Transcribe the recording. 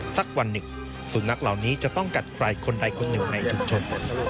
สักวันหนึ่งสุนัขเหล่านี้จะต้องกัดใครคนใดคนหนึ่งในชุมชน